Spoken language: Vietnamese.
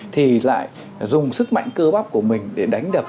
thì lại dùng sức mạnh cơ bóc của mình để đánh đập